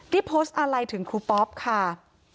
ได้โพสต์อะไรถึงครูปอ๊อปค่ะ